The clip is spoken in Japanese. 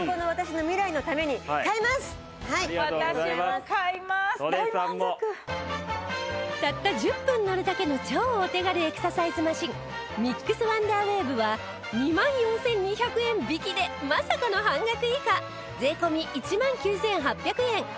たった１０分乗るだけの超お手軽エクササイズマシンミックスワンダーウェーブは２万４２００円引きでまさかの半額以下税込１万９８００円